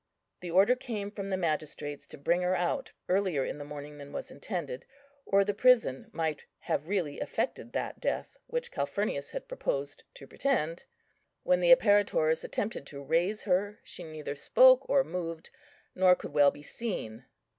The order came from the magistrates to bring her out earlier in the morning than was intended, or the prison might have really effected that death which Calphurnius had purposed to pretend. When the apparitors attempted to raise her, she neither spoke or moved, nor could well be seen.